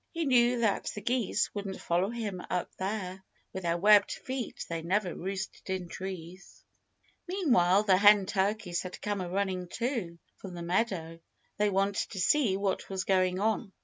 He knew that the geese wouldn't follow him up there. With their webbed feet they never roosted in trees. Meanwhile the hen turkeys had come a running too, from the meadow. They wanted to see what was going on.